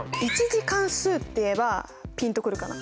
１次関数って言えばピンとくるかな？